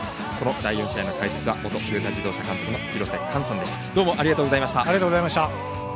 第４試合の解説は元トヨタ自動車監督の廣瀬寛さんでした。